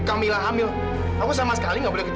dan waktu kamila hamil aku sama sekali nggak boleh berhenti